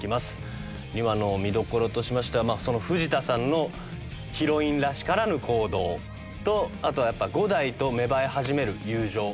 ２話の見どころとしましてはその藤田さんのヒロインらしからぬ行動とあとはやっぱ伍代と芽生え始める友情ですかね。